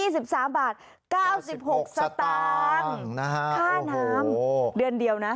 ๙๖สตางค์ค่าน้ำเดือนเดียวนะ